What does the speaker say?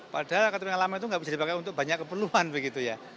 padahal kartu pengalaman itu enggak bisa dipakai untuk banyak keperluan begitu ya